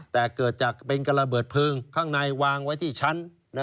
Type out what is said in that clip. แต่เกิดจากเป็นการระเบิดเพลิงข้างในวางไว้ที่ชั้น